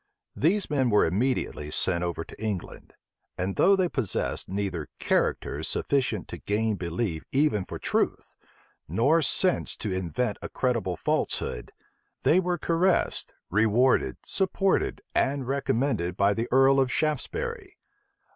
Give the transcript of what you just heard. These men were immediately sent over to England; and though they possessed neither character sufficient to gain belief even for truth, nor sense to invent a credible falsehood, they were caressed, rewarded, supported, and recommended by the earl of Shaftesbury.